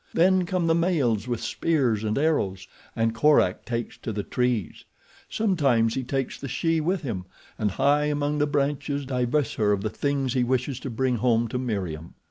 Then come the males with spears and arrows and Korak takes to the trees. Sometimes he takes the she with him and high among the branches divests her of the things he wishes to bring home to Meriem.